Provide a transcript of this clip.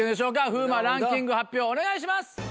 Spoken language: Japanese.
風磨ランキング発表お願いします！